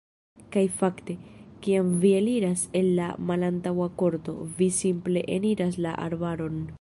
Kaj fakte, kiam vi eliras el la malantaŭa korto, vi simple eniras la arbaron.